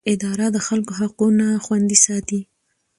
اداره د خلکو حقونه خوندي ساتي.